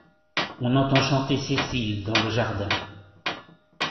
On entend chanter Cécile dans le jardin.